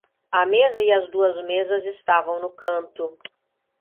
A mesa e as duas mesas estavam no canto.